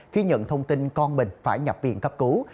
khi nhận thông tin con mình phải nhập viện cấp cứu